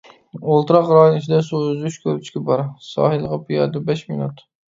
ئولتۇراق رايون ئىچىدە سۇ ئۈزۈش كۆلچىكى بار، ساھىلغا پىيادە بەش مىنۇت.